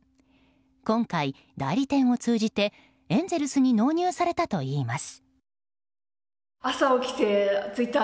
今回代理店を通じてエンゼルスに納入されたといいます。